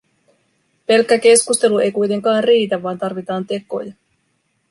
Pelkkä keskustelu ei kuitenkaan riitä, vaan tarvitaan tekoja.